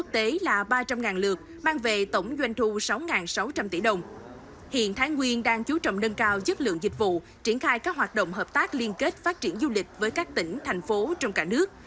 thái nguyên đang chú trọng nâng cao chất lượng dịch vụ triển khai các hoạt động hợp tác liên kết phát triển du lịch với các tỉnh thành phố trong cả nước